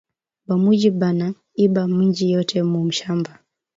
Ba mwiji bana iba minji yote mu mashamba